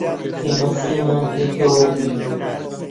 ئێمە سێ مانگ پێکەوە بووین.